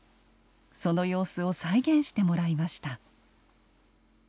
その様子を再現してもらいました。